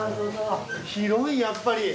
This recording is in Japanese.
広いやっぱり。